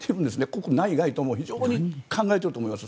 国内外とも非常に考えていると思います。